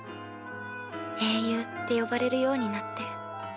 英雄って呼ばれるようになって。